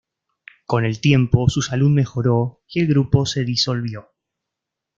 Con el tiempo su salud mejoró, y el grupo se disolvió.